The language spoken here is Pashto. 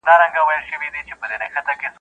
o خر په وهلو نه آس کېږي.